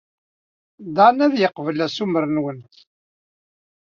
Dan ad yeqbel assumer-nwent.